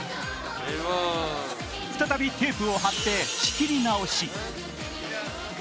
再びテ−プを張って仕切り直し。